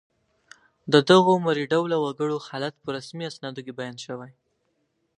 د دغو مري ډوله وګړو حالت په رسمي اسنادو کې بیان شوی